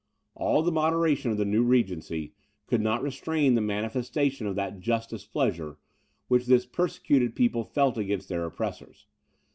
All the moderation of the new regency, could not restrain the manifestation of that just displeasure, which this persecuted people felt against their oppressors.